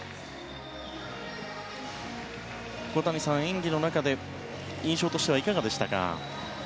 小谷さん、演技の中で印象としてはいかがでしたか？